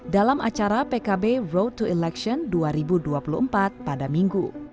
dalam acara pkb road to election dua ribu dua puluh empat pada minggu